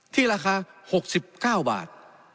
ที่ราคา๖๙บาท